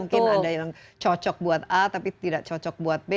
mungkin ada yang cocok buat a tapi tidak cocok buat b